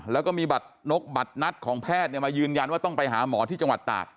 แล้วก็มีบัตรนกบัตรนัดของแพทย์มายืนยันว่าต้องไปหาหมอที่จังหวัดตาก